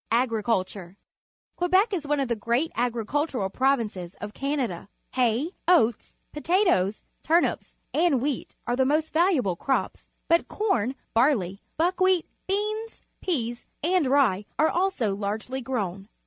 Agriculture. — Quebec is one of the great agricultural provinces of Canada. Ha}% oats^ potatoes, turnips, and wheat are the most valuable crops, but corn, barley, buckwheat, beans, peas, and rye are also largely grown.